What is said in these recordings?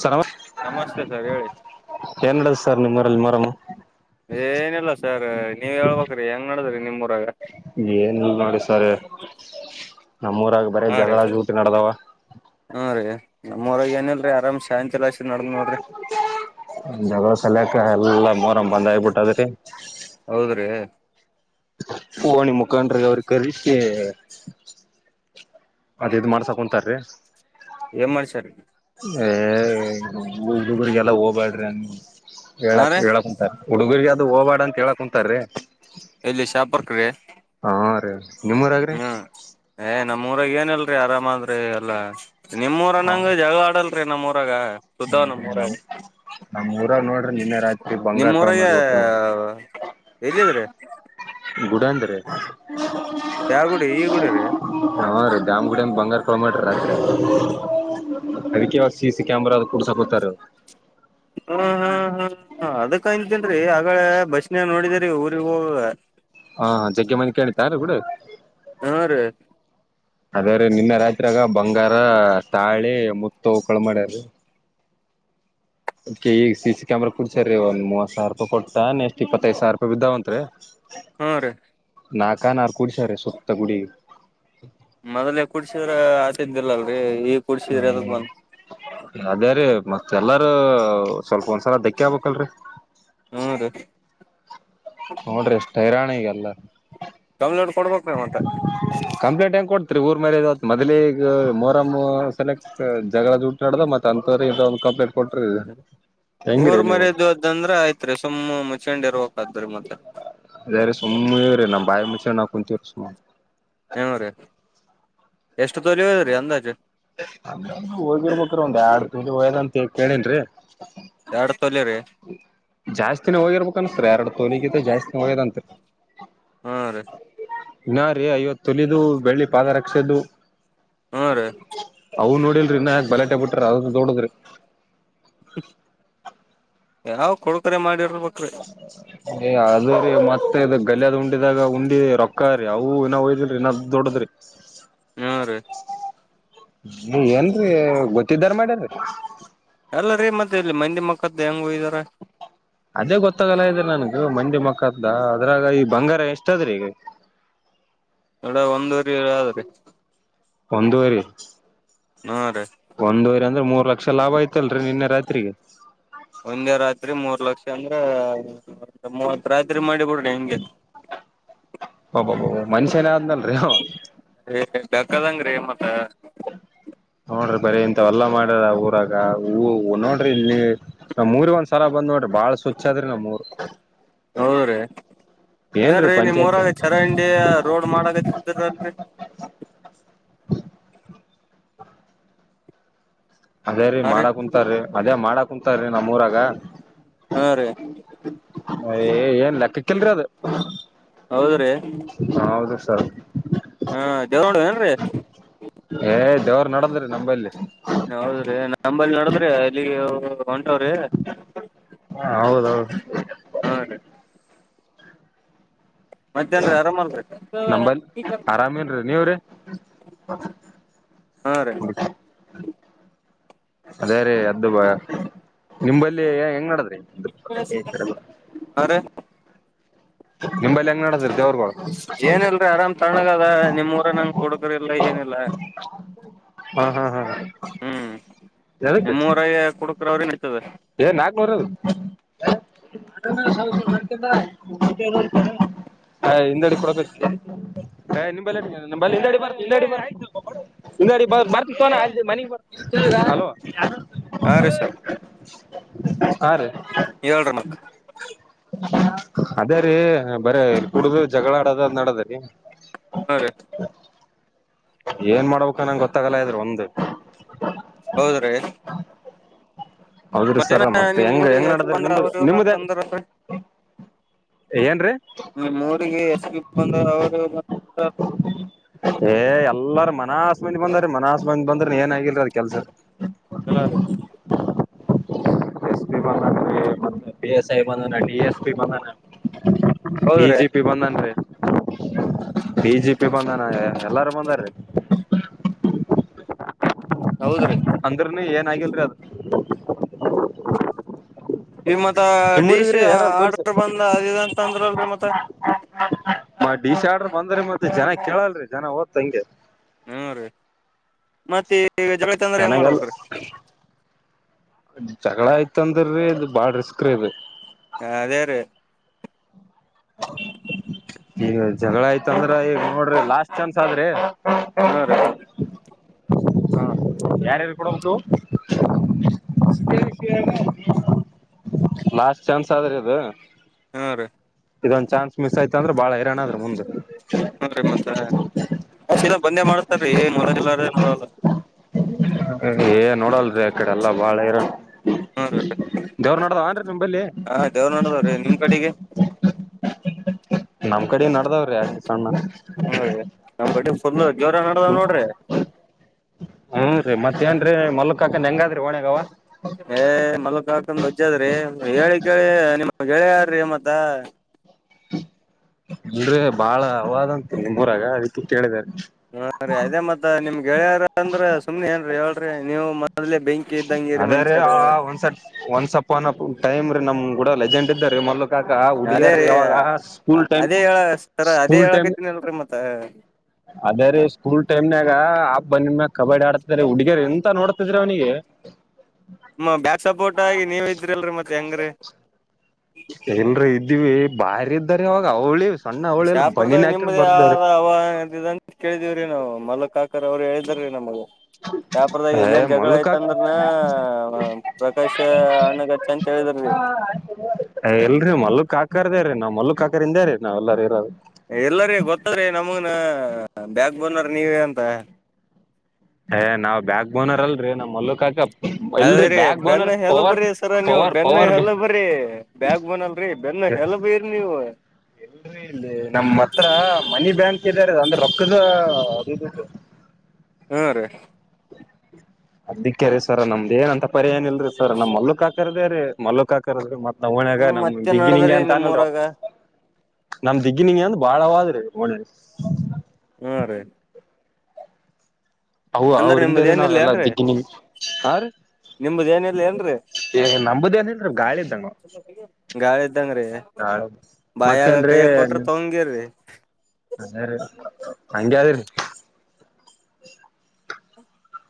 Sir ನಮಸ್ತೆ sir ಹೇಳಿ ಸರ್ಣಿ ಮರಲಿ ಮರಮ ಏನಲ್ಲ ಸರ್ ನೀವ್ ಹೇಳ್ಬೇಕ್ರಿ ಹೆಂಗ್ ನಡದ್ರಿ ನಿಮೂರಾಗ ಏನಿಲ್ಲ ನೋಡಿ [inaudible] ಬರೇ ಹಾ ರೀ ಜಗಳ ಜೂಟಿ ನಡದಾವ ಹಾ ರೀ ನಮ್ಮರಗೆ ಏನಲ್ೀ ಆರಾಮ್ಸ ಹಂತಲ ಜಗಳ ಸಲ್ಯಕ ಎಲ್ಲ ಮೋರಂ ಬಂದ್ ಆಾಗಬಿಟ್ಟದ ಹ ಹೌದ್ರೀ ಹೂಾಣಿ ಮುಖಾಂಡ್ರಗೆ ಅವ್ರ ಕಲ್ಕ್ಕೆ ಅದೇದು ಮಾಡ್ಸಾಕಂತಾರ್ರೀ ಏ್ ಮಾಡ್ಸರ್ ಏ ಉಡುಗ್ರರಿಗೆಲ್ಲ ಹೋಗ್ಬ್ಯಾಡ್ರಿ ಹಾ ಹೇಳಕ್ ರೀ ಹೇಳಕ್ಂತಾರೆ ಉಡುಗರಿಗೆ ಹೋಗಬಾಡ ಅಂತ ಹೇಳಕ್ ಕುಂತಾರ ರೀ ಇಲ್ಲಿ ಶಾಪರ್ಕಗೆ ರೀ ನಿಮ್ಮೂರಾಗ್ರಿ ಹ್ಮ್ ಏ ನಮ್ಮೂರಾಗ ಏನಲ್ ಆರಾಮ ಅಂದ್ರೆ ಎಲ್ಲಾ [inaudible] ಹಾ ನಿಮ್ಮ್ರನ್ನಂಗ ಜಗಳ ಆಡಲ್ ನಮ್ಮ ರಾಗ ಸುದ್ದ ನಮ್ಮಊರ ನಮ್ ನಮ್ ಊರಾಗ ನೋಡ್ರಿ ನಿನ್ನೆ ರಾತ್ರಿ ಬಂಗಾರ ನಿಮ್ಮ್ ಕಳ ಊರಗೆ ಮಾಡ್ಬಿಟ್ಟು ಎಲ್ಲಿದ್ರೀ ಗುಡ ಅಂದ್ರೆ ಯಾವ ಗುಡಿ ಈ ಗುಡಿ್ರೀ ದಾಮ್ ಗುಡ ಬಂಗಾರ ಕಲೋಮಟ್ರ ಅದಕ್ಕೆ ಯಾವಾಗ ಸಿ ಸಿ ಕ್ಯಾಮರಾ ಅದು ಕೂಡ್ಸಕತಾರ ಹಾ ಹಾ ಹಾ ಹ ಅದ ಕ ಆಗಳ ಬಸ್ ನೀ ನೋಡಿದ್ರ ರಿ ಹ ಹಾ ಜಗ್ಗೆ ಮನೆ ಕಿತಾರ ಕೂಡ ಹಾ ರೀ ಅದೇ್ರೀ ನಿನ್ನ ರಾತ್ರಿಯಾಗ ಬಂಗಾರ ತಾಳಿ ಮುತ್ತು ಉಕಳ ಮಾಡ್ಯ್ರೀ ಅದ್ ಈಗ ಸಿ ಸಿ ಕ್ಯಾಮರಾ ಕುಡ್ಸ ರೀ ಒಂದ್ ಮೂವತ್ ಸಾವರ ರೂಪಾಯ ಕೊತಾಾನ ಎಷ್ಟ್ ಇಪ್ಪತ್ತೈದು ಸಾವಿರ ರೂಪಾಯಿ ಬಿದ್ದಾವಂತ್ರಿ ಹಾ ರೀ ನಾಲ್ಕ ನಾರು ಕುಡಿಸಾರೆ ಸುತ್ತ ಗುಡಿಗೆ ಮೊದಲೇ ಕುಡ್ಸಿದ್ರ ಆತಿಂದಿಲ್ಲ ಹ್ಮ್ ಅದ ರೀ ಮತ್ತೆ ಎಲ್ಲಾರೂ ಸ್ವಲ್ಪ ಒಂದ್ಸಲ ಧಕ್ಕ ಆಗ್ಬಬೇಕಕ್ಲ್ರರಿ ಹ್ಮ ರ ನೋಡ್ರಿ ಎಷ್ಟ ಹೈರಾನ ಗಲ್ಲ ಡೌನ್ಲೋಡ್ ಕೊಡ್ಬೇಕ ನವಂತ ಕಂಪ್ಲೇಂಟ್ ಹೆಂಗ್ ಕೊಡ್ತ್ರಿ ಊರ್ ಮೇಲೆ ಇತ್ ಮೊದ್ಲಿಗ ಮೊರಮ್ ಸೆಕ್ಟ್ ಜಗಳದ ನಡ್ದ ಮ ಅಂತ ಇದ ಕಂಪ್ಲೀಟ್ ಊರ್ ಮರದದ ಅಂದ್ರ ಆಯ್ತ್ರಿ ಸುಮ್ಮ ಮತ್ತ ಶಂಡ್ ಇರ್ಬೇಕಾದ್ರೀ ಮತ್ತೆ ಅೇ್ರೆ ಸುಮ್ಮ ಇ್ರೀ ನಾ ಬಾಯ ಮುಚ್ಚ ನಾ ಕುಂತೀ ಸುಮ್ಮ ನು ರೀ ಎಷ್ಟು ತೊಲಿ ಹದ್ರರಿ ಅಂದಾಜು ಹೋಗಿರ ಮ ಒಂದ್ ಎರಡ್ ತಿಿ ಹಯದಂತ ಕೇಳೇನ್ರಿ ಎರಡ್ ತೊಲಿ ರೀ ಜಾಸ್ತಿನ ಹೋಗಿರ್ಬೇಕನ್ಸ್ರ ಎರಡು ತೋಲಗ ಜಾಸ್ತಿ ಹಳ್ಳದಂತರಿ ಹಾ ರೀ ನಾ ರೀ ಐವತ್ತು ತುಲಿದು ಬೆಳ್ಳಿ ಪಾದ ರಕ್ಷೆದು ಹ್ಮ ರೀ ಅವು್ ನೋಡಿಲ್ರಿ ಇನ್ಾಕ್ ಬಲಟೆ ಬಿಟ್ರಿ ಅದದ ದೋಡದ್ರಿ ಯಾವ್ ಕೊಡುಕರೆ ಮಾಡಿರ್ಬೇಕು ಹೌ ಏ ಅದ ರೀ ಮತ್ತೆ ಇದ ಗಲಿಯಾದ್ ಉಂಡಿದಾಗ ಉಂಡಿ ರೊಕ್ಕ ರೀ ಅವು ಇನ್ನ ಒಯ್ದ್ರಿ ಇನ್ನ್ ದೊಡ್ಡದ್ರಿ ಹ್ಮ ರೀ ನೀ ಏನ್ರೀ ಗೊತ್ತಿದ್ದಾರ ಮಾಡ್ಯಾರ ಎಲ್ಲ ರೀ ಮತ್ತೆ ಇಲ್ಲಿ ಮಂದಿ ಮಕ್ಕ್ದ ಹೆಂಗ ಹಯ್ದಾರ ಅದೇ ಗೊತ್ತಾಗಲ್ಲ ಇದ್ರ ನನ್ಗ ಮಂಡಿ ಮಕ್ಕದ ಅದ್ರಾಗ ಈ ಬಂಗಾರ ಎಷ್ಟದ್ರೀ ಈಗ ನಡ ಒಂದುವರಿ ಆದ್ರರಿ ಒಂದೂವರಿ ನಾರೆ ಒಂದೂವರಿ ಅಂದ್ರೆ ಮೂರ್ ಲಕ್ಷ ಲಾಭ ಆಯ್ತಲ್ರರಿ ನಿನ್ನೆ ರಾತ್ರಿಗೆ ಒಂದೆ ರಾತ್ರಿ ಮೂರ್ ಲಕ್ಷ ಅಂದ್ರ ಮೂವತ್ ರಾತ್ರಿ ಮಾಡಿ ಬಿಡ ಒಬಬಬ ಮನುಷ್ಯ ಏನ ಆದ್ನಲ್ರಿ ಏ ಬೆಕ್ಕದಂಗ್ರೀ ಮತ್ತ ನೋಡ್ರಿ ಬರಿ ಇಂತ ಎಲ್ಲಾ ಮಾಡದ ಊರಾಗ ನೋಡ್ರಿ ಇಲ್ಲಿ ನಮ್ ಊರಿಗೆ ಒಂದ್ಸಲ ಬಂದ್ ನೋಡ್ರಿ ಬಾಳ ಸ್ವಚ್ ಆದ್ರಿ ನಮ್ ಊರ್ ಹೌದ್ರೀ ಏನ್ರೀ ನಿಮ್ಮೂರಾಗ ಚರಂಡಿ ರೋಡ್ ಮಾಡಕತ್ತಲ್ರರಿ ಅದೇ ರೀ ಮಾಡಕ್ ಕುಂತಾರೀ ಅದೇ ಮಾಡಕ್ ಕುಂತಾರಿ ನಮ್ಮ್ ಊರಾಗ ಹಾ ರೀ ಅಯ ಏನ್ ಲೆಕ್ಕಕ್ಕಲ್ರಿ ಅದು ಹೌದ್ರಿ [inaudible] ಹೌದು ಸರ್ ಹಾ [unintelligible] ನೋಡುವ ಏನ್ರಿ ಹೇ [unintelligible] ನಡದ್ರಿ ನಂಬಲ್ಲಿ ಹೌದ್ರೀ ನಂಬಲ್ಲಿ ನೋಡದ್ರಿ ಅಲ್ಲಿಗೆ ಹೊಂಟವ್ರಿ ಹೌದೌದು ಹಾ ರೀ ಮತ್ತೇನ್ರೀ ಅರಾಮಲ್ರಿ [unintelligible] ನಂಬಲ್ ಆರಾಮೇನ್ರಿ ನೀವ್ರೀ ಹಾ ರೀ ಅದೇ ರೀ ಅದ್ದು [inaudible] ನಿಂಬಲ್ಲಿ ಹೆಂಗ್ ನಡದ [unintelligible] ದೇವ್ರಗಳು ಏನ ಇಲ್ರಿ ಆರಾಮ್ ತಣ್ಣಗದ ನಿಮ್ ಊರ ನಂಗ ಕುಡುಕ್ರಿಲ್ಲ ಏನ ಇಲ್ರಿ [unintelligible] [inaudible] ಹಾ ಹಾ ಹಾ ನಿಮ್ಮೂರಗೇ ಕುಡ [unintelligible] ಹೇ ನಾಕ್ನೂರದು [unintelligible] ಹಾ ರೀ ಸರ್ ಹಾ ರೀ ಹೇಳ್ರಿ ಮತ್ತ್ [inaudible] ಅದೇ ರೀ ಬರೆ ಕುಡ್ದು ಜಗಳಾಡದ್ ನಡದ್ರೀ ಹಾ ರೀ ಏನ್ ಮಾಡ್ಬೇಕು ನಂಗೆ ಗೊತ್ತಾಗಲ್ಲ ಇದು ಒಂದು ಹೌದ್ರೀ ಹೌದ್ರಿ ಸರ್ ಮತ್ತೆ ಹೆಂಗ್ ಹೆಂಗ್ ನಡದ್ರ ನಿಂಬದು ದ್ರ ಏನ್ರೀ ನಿಮ್ಮ ಮೂಊರಿಗೆ ಎಸ್ ಬಿ ಬಂದ ಅವರು ಏ ಎಲ್ಲರ ಮನಸ ಹಸ್ ಮಂದಿ ಬಂದ್ರ ಮ ಹಸ್ ಮಂದ ಬಂದ್ರ ಏನಗಿರರಿ ಅದ ಕೆಲ್ಸರ್ ಹಾ ರೀ ಎಸ್ ಪಿ ಬಂದ ಬಿ ಎಸ್ ಐ ಬಂದೋ ಎಸ್ ಪಿ ಬಂದ ಬಿ ಹೌದ್ರಿ ಜೆ ಪಿ ಬಂದನ್ ಹ ಬಿ ಜಿ ಪಿ ಬಂದಾನ ಎಲ್ಲಾರು ಬಂದಾರೀ ಹೌದ್ರಿ ಅಂದ್ರ ನೀ ಏನ್ ಗಲ್ರಿ ಅದು ಈ ಮತ್ತ ಡಿಶ್ ನಿಮ್ಮೂರಿಗ್ರಿ ಯಾರ ಪೊಲೀಸ್ ಆರ್ಡರ್ ಬಂದ ಅದು ಇಂತ ಅಂದ್ರ ಅಲ್ರಿ ಮತ್ತ ಮ ಡಿಶಾರ್ ಬಂದ್ರರಿ ಮತ್ತೆ ಜನ ಕೇಳಲ್ ಜನ ಓದ್ ಹಂಗೆ ಹ್ಮ ರೀ ಮತ್ತೆ ಈಗ ಜಗಳತ್ತ ಅಂದ್ರೆ ಹೆಂಗ್ ಚೆನ್ನಾಗಲ್ಲ ಮಾಡ್ಬೇಕ್ರೀ ಜಗಳ ಆಯ್ತ ಅಂದ್ರೀ ಇದು ಬಾಳ ರಿಸ್ಕ್ ರೀ ಇದು ಹ ಅದೇ ರ ಈಗ ಜಗಳ ಆಯ್ತಂದ್ರ ಈಗ ನೋಡ್ರಿ ಲಾಸ್ಟ್ ಚಾನ್ಸ್ ಆದ್ರಿ ಹಾ ರ ಹಾ ಯಾರ್ಯಾರ ಕೊಡಬೇಕು ಲಾಸ್ಟ್ ಚಾನ್ಸ್ ಆದ್ರೆ ಅದು ಹಾ ರೀ ಇದೊಂದು ಚಾನ್ಸ್ಸ ಆಯತು ದ್ರೆ ಬಾಳ ಹೈರಾಣ ಆದ್ರೆ ಮುಂದೆ ಅ್ಲ ಬಂದೆ ಮಾಡ್ತಾರೀ ಏ ನೋಡದಿಲ್ಲ ನೋಡಲ್ಲ ಏ ನೋಡಲ್ರಿ ಆಕಡೆ ಎಲ್ಲ ವಳರ ಹ್ಮ ರೀ ನಿಂಬಲ್ಲಿ ಆ ದೇವರು ನೋಡದವ್ರೀ ನಿಮ್ ಕಡೆಗೆ ನಮ್ ಕಡೆ ನಡದಾವ್ರಿ ಹ ಜವರ ನಡದಾವ ನೋಡ್ರಿ ಹ್ಮೂ ರೀ ಮತ್ತೇಏನ್ರೀ ಮಲ್ಲಕ್ ಹಾಕನ್ ಹೆಂಗಾದ್ರಿ ಒಣಗ ಮಲಕ್ ಹಾಕ ದ್ರಿ ಹೇಳಿ ಕೇಳಿ ನಿಮ್ ಗೆಳ ಯಾರೀ ಮತ್ತ ಅಲ್ ಬಾಳ ಅವಾದಂತು ನಿಮ್ಮೂರಾಗ ಅ ಪ ಕೇಳಿದಿದ್ದಾರೆ ಹಾ ರೀ ಅದೇ ಮತ್ತತ್ ನಿಮ್ಗ್ ಗೆಳೆಯರ ಅಂದ್ರ ಸುಮ್ನೆಿ ಏನ್ರರಿ ಹೇಳ್ರಿ ನೀವು್ ಮ ಅದೇ ರೆ ಆ ಒಂದ್ಸ ಒಂದ್ಸಪ್ ಒ ಟೈಮ್ ನಮ್ ಕೂಡ ಲೆಜೆಂಡ್ ಇದ್ದಾರೆ ಮೊ ಕ ಅದೇ ಹಡಿಯರ್ ರೀ ಯಾವಾಗ ಸ್ಕೂಲ್ ಟೈಮ್ ಸ್ಕೂಲ್ ಟೈಮ್ ತ್ ಅದೇ ರೀ ಸ್ಕೂಲ್ ಟೈಮ್ನಾಗ ಆಬ್ ಬಂದ ಮ್ಯಾಗ ಕಬಡ್ಡಿ ಆಡ್ತ್ರ ಹುಡುಗರ್ ಎಂತ ನೋಡ್ತಿದ್ರಿ ಅವನಿಿಗೆ ಮ ಬ್ಯಾಕ್ ಸಪೋರ್ಟ್ ಆಗಿ ನೀವ್ ಇದ್ರಿಲ್ರರಿ ಮತ್ತೆ ಹೆಂಗ್ರೀ ಏನ್ರ ಇದ್ದೀವಿ ಬಾರ ಇದ್ದಾರೆ ಅವಾಗ ಅವ್ಳಿ ಶಾಪುರದಲ್ಲಿ ನಿಮ್ದೇ ಯ ಆಂತ ಕೇಳಿದಿವವ್ರೀ ನಾವು ಮಲಕ್ ಹಾಕ ರ್ ಅವರು ಹೇಳಿದ್ರೀ ನಮಗೆ ಯ್ಯಾಪಾರದಾಗ ಏ ಎಲ್ಲಿನ್ ಜಗಳ ಮಲ್ಲು ಯ್ತ ಕಾಕ ಅಂದ್ರನ ಪ್ರಕಾಶ ಅಣ್ಣಗಚ್ಚ ಅಂತ ಹೇಳಿದ್ರಿ ಎಲ್ರಿ ಮಲ್ಲು ಕಾಕರ್ದೇ ರೀ ನಮ್ಮ ಮಲ್ಲು ಕಾಕರ್ಿಂದೇ ರೀ ನಾವೆಲ್ಲಾರ ಇರೋದು ಹ ಬ್ಯಾಕ್ ಬೋನ್ನೀವ ಅಂತ ಏ ನಾವ್ ಬ್ಯಾಕ್ ಬೋನರ್ ಅಲ್ರರಿ ನಮ್ಮ್ ಮಲ್ಲೂಕ್ಕಪ್ ಅದೇರರಿ ಬೆನ್ನ ಹೆಲ್ಲ ಬರಿ ಸರ ನೀವು ಪವರ್ ಬೆನ್ನ ಪವರ್ ಹೆಲ್ಲ ಬರಿ ಬ್ಯಾಗ್ ಬನಲ್ರಿ ಬೆನ್ನ ಹೆಲ್ ಬರಿ ನೀವು ಎಲ್ರಿ ಇಲ್ಲಿ ನಮ್ಮ ಹತ್ರ ಮ ಬ್ಯಾಂಕ್ ಇದಾರೆ ಅ ಅಂದ್ರೆ ರೊಕ್ಕದ ಅದು ಹ್ಮ ರೀ ಅದಿಕ್ಕ ರೀ ಸರ್ ನಮ್ದ್ ಏನ ಅಂತ ಪರಿಹಏನ ಇಲ್ರರಿ ಸರ್ ನಮ್ ಮಲ್ಲುಕ್ ಹಾಕರ್ದೇ ರೀ ಮಲ್ಲಕ್ ಹಾಕರ್ದ್ರಿ ಮ ನವಣಾಗ ಹ್ಮ್ ನಮ್ ಮತ್ತೆ ದಿಗ್ಗಿನಿಂಗೆ ನಡದ್ರಿ ಅಂತ ಅನ್ನಲ್ರ ನಿಮ್ಮೂರಾಗ ನಮ್ ದಿಗ್ಗಿನಿಂಗ ಅಂದ ಬಾಳವಾದ್ರಿ ಒ ಹಾ ರೀ ಅವು ಅಂದ್ರ ಅವ್ರಿಂದ ನಿಮ್ದ ರೀ ನಾವ ಏನಿಲ್ಲ ಎಲ್ಲಾ ಏನ್ರೀ ದಗ ನಿಮ ಹ ನಿಮ್ದ ಏನಿಲ್ಲ ಏನ್ರೀ ರೀ ನಂಬದಿ ಅಂದ ಗಾಳಿ ಇದ್ದಂಗ ಗಾಳಿ ಇದ್ದಂಗ್ರೀ ಮತ್ತೆ ಬಾಯಾಗ ಅಂದ್ರೆ ಕೈಯ ಕೊಟ್ರ ತೊಂಗಿರ್ರಿ ಹಂಗೆದ ರೀ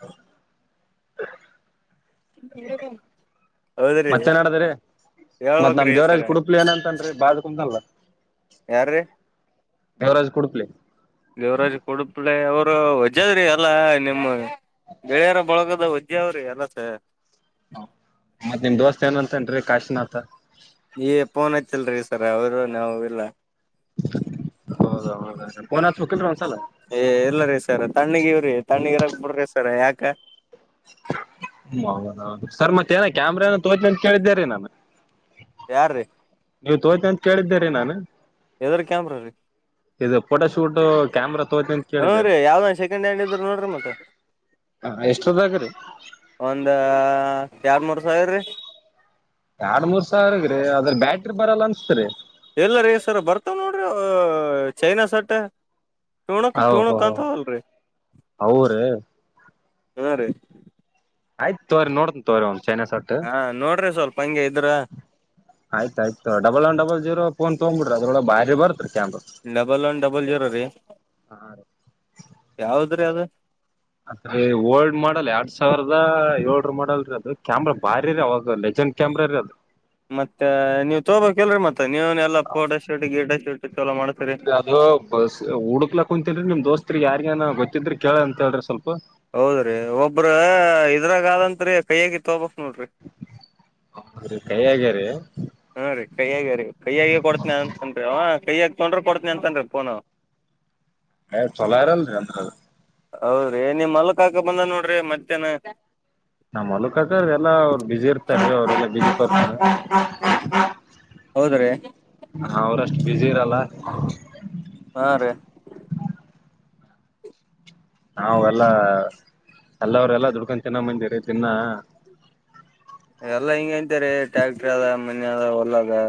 ಹ ಹೌದ್ರಿ ಮತ್ತೇನ್ಡದ್ರೀ ಮತ್ತ್ ನಮ್ ಹೇಳ್ಬೇಕ್ರಿ ದೇವರಾಜ ಸರ ಕುಡುಪ್ಲಿ ಏನಂತನ್ರಿ ಬಾಳ್ ಕು್ದಲ್ ಯಾರೀ ದೇವರಾಜ್ ಕುಡುಪ್ಲಿ ದೇವರಾಜ್ ಕುಡುಪಳ ಅವರುಜ ಇಜದ್ರಿ ಎಲ್ಲಾ ನಿಮ್ಮ ಬೆಳೆಯರ ಬಳಗದ ವಿಜ ಅವ್ರಿ ಎಲ್ಲ ಸ ಮತ್ತತ್ ನಿಮ್ ದೋಸ್ತ್ ಏನ್ ಅಂತನ್ರರಿ ಕಾಶಿನಥ ನೀ ಪೋನ್ ಹಚ್ಚಲ್ರಿ ಸರ್ ಅವರು ನಾವು ಇಲ್ಲ ಹೌದಾ ಹೌದಾ ಪೋನಕಲ್ ಏ ಎಲ್ಲರಿ ಸಾರ ತಣ್ಣಗೀವ್ರೀ ತಣ್ಣಗಿರ ಬಿಡ್ರಿ ಸರ ಯಾಕ ಹ ಹೌದೌದು ಸರ್ ಮತ್ತೇಏನ ಕ್ಯಾಮ್ರ ಏನೋ ತೋತ್ನೆಂತ್ ಕೇಳಿದ್ದೇ ರೀ ನಾನ. ಯಾರ್ರೀ ನೀವು ತೋತನ್ಯಾಂತ್ ಕೇಳಿದ್ದೇರಿ ನಾನ. ಏದರ್ ಕ್ಯಾಮ್ರ ರೀ ಫೋಟೋ ಶೂಟ್ ಕ್ಯಾಮ್ರಾ ತೋತ್ನಿ ಅಂತ ಹ್ಮ ಕೇಳಿದ್ದೆ ರೀ ಯಾವ್ದ ಸೆಕೆಂಡ್ ಹ್ಯಾಂಡ್ ಇದ್ರ ನೋಡ್ರಿ ಮತ್ತ. ಎಷ್ಟದಾಗ್ರಿ ಒಂದಾ ಎರಡ ಮೂರ್ ಸಾವಿರಿ ಎರಡ್ ಮೂರ್ ಸಾವಿರ್ಗ್ರಿ ಅದ್ರ ಬ್ಯಾಟ್ರಿ ಬರಲ್ಲ ಅನ್ಸ್ತರಿ. ಇಲ್ಲಾರಿ ಸರ್ ಬರ್ತಾವ ನೋಡ್ರಿ ಅವು ಚೈನಾ ಸಟ್ಟ. ಹ ಹೋ ಔರಿ. ಹ್ಮ್ ರೀ ಆಯ್ತ ತೋರಿ ನೋಡ್ತನಂತ್ ತೋರಿ ಅವ್ನ. ಚೈನಾ ಸಟ್ ಹಾ ನೋಡ್ರಿ ಸ್ವಲ್ಪ ಹಂಗೆ ಇದ್ರ ಆಯ್ತ ಆಯ್ತು double one double zero phone ತೊಗೊಂಡ ಬುಡ್ರಿ ಅದರ್ ಒಳಗ್ ಭಾರಿ ಬರ್ತ್ರಿ- ಡಬಲ್ ಒನ್ ಡಬಲ್ ಜೀರೋ ರೀ ಯಾವ್ದ ದರಿ ಅದ. ಅದರಿ ಓಲ್ಡ್ ಮಾಡಲ್ ಎರಡ್ ಸಾವಿರದ ಏಳುರು ಮಾಡಲ್ರಿ ಅದು ಕ್ಯಾಮ್ರಾ ಬಾರಿ ರೀ ಅವಾಗ ಲೆಜೆಂಡ್ ಕ್ಯಾಮ್ರಾರರಿ ಅದು. ಮತ್ತ ನೀವ್ ತೋಬೋಕ್ ಇಲ್ರಿ ಮತ್ತ. ನಿವ್ನು ಎಲ್ಲಾ ಪೋಟೋ ಶೂಟ್ ಗಿಡ ಶೂಟ್ ತ ಇಲ್ರಿ ಅದು ಬಸ್ ಹುಡ್ಕ್ಲ ಕುಂತೇನ್ರಿ ನಿಮ್ ದೋಸ್ತ್. ತ್ರಿ ಯಾರಿಗನ ಗೊತ್ತಿದ್ದರ ಕೇಳಂತ ತೋರಿ ಸ್ವಲ್ಪ. ಹೌದ್ರಿ ಒಬ್ರ ಇದ್ರಾಗ ಅದಂತ್ರಿ ಕೈಯಗೆ ತೊಬೇಕ್ ನೋಡ್ರಿ. ಏ ಹಾ ರೀ ಕೈಯಾಗ ರೀ ಕೈಯಾಗೆ ಕೊಡ್ತಿನಂತಾನ್ರಿ ಫೋನ್ ಅಂವಾ. ಏ ಚಲೋ ಇರಲ್ರಿ ಅಂತದ. ಹೌದ್ರಿ ನಿಮ್ ಮಲ್ಲು ಕಾಕ ಬಂದನ ನೋಡ್ರಿ ಮತ್ತೇನ. ನಮ್ ಮಲ್ಲು ಕಾಕರದ ಎಲ್ಲ ಅವ್ರು ಬಿಜಿ ಇರ್ತಾರಿ ಅವರೆಲ್ಲಾ ಬಿಜಿ ಪರ್ಸನ್. ಹೌದ್ರಿ ಅವರಷ್ಟ. ಬಿಜಿ ಇರಲ್ಲ. ಹಾ ರೀ. ನಾವೆಲ್ಲ ಎಲ್ಲವ್ರಲ್ಲಾ ದುಡ್ಕ ತಿನ್ನ ಮಂದಿ ರೀ ದಿನ್ನಾ. ಎಲ್ಲಾ ಹಿಂಗೆ ಅಂತೀರಿ ಟ್ಯಾಕ್ಟರ್ ಅದ ಮನಿ ಅದ ಹೊಲ ಅದ.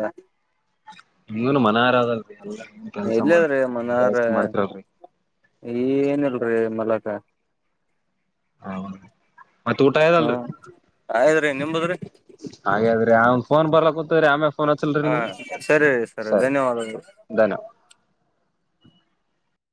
ನಿಮ್ಗೂನು ಮನಾರ್ ಅದ ಅಲ್ರೀ ಎಲ್ಲಾ. ಎಲ್ಲಿದ್ರಿ ಮನಾರಾ ಏನ ಇಲ್ರಿ ಮಲ ಕ ಹ್ ಹ್ಮ್ ರಿ ಹಾ ಆಗ್ಯಾದ್ರೀ ನಿಮ್ದದ್ರಿ. ಯಾ ಫೋನ್ ಬರಕುತ್ತಿರಾ ಯಮರ ಹಾ ಸರಿ ಸರ್ ಧನ್ಯವಾದಗಳು, ಧನ್ಯವಾದ.